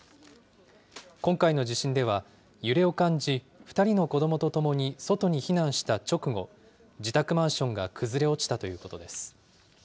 今回の地震では揺れを感じ、２人の子どもと共に外に避難した直後、自宅マンションが崩れ落ちたということです。